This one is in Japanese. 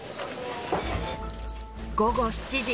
午後７時